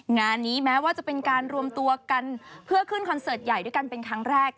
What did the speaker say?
งานนี้แม้ว่าจะเป็นการรวมตัวกันเพื่อขึ้นคอนเสิร์ตใหญ่ด้วยกันเป็นครั้งแรก